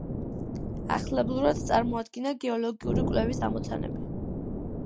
ახლებურად წარმოადგინა გეოლოგიური კვლევის ამოცანები.